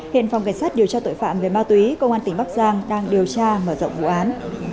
hiện phòng cảnh sát điều tra tội phạm về ma túy công an tỉnh bắc giang đang điều tra mở rộng vụ án